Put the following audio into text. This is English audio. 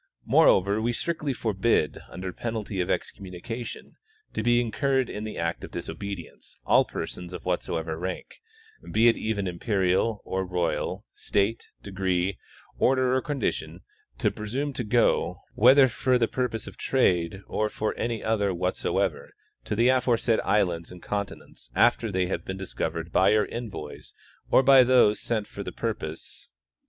Moreover, we strictly for bid, under penalty of excommunication, to be incurred in the act of disobedience, all persons of whatsoever rank, be it even imperial or royal, state, degree, order or condition, to presume to go, whether for the purpose of trade or for any other what soever, to the aforesaid islands and continents after they have been discovered by your envoys or by those sent for the purpose 220 W. E. Curtis — Pre Columbian, Vatican Documents.